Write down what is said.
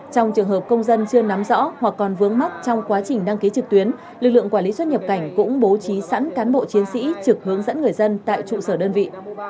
trong trường hợp công dân chưa nắm rõ hoặc còn vướng mắt trong quá trình đăng ký trực tuyến lực lượng quản lý xuất nhập cảnh cũng bố trí sẵn cán bộ chiến sĩ trực hướng dẫn người dân tại trụ sở đơn vị